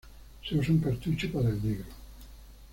Se usa un cartucho para el negro.